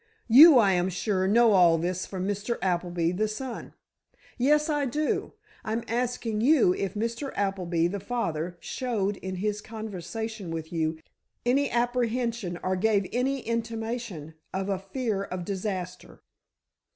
You, I am sure, know all this from Mr. Appleby, the son." "Yes, I do; I'm asking you if Mr. Appleby, the father, showed in his conversation with you, any apprehension or gave any intimation of a fear of disaster?"